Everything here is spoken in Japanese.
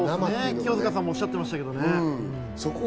清塚さんもおっしゃってましたね。